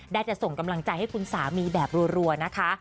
ได้จะส่งกำลังใจให้คุณสามีแบบรัวนะคะ